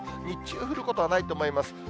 日中は降ることはないと思います。